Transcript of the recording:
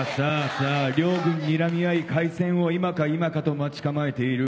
さあ両軍にらみ合い開戦を今か今かと待ち構えている。